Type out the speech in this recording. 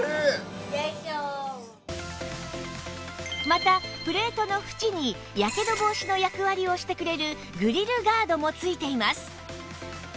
またプレートのふちにやけど防止の役割をしてくれるグリルガードも付いています